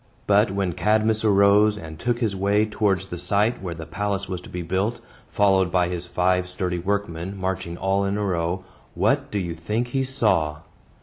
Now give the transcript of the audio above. But, when Cadmus arose, and took his way towards the site where the palace was to be built, followed by his five sturdy workmen marching all in a row, what do you think he saw?